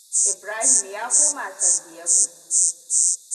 Ibrahim ya koma San Diego.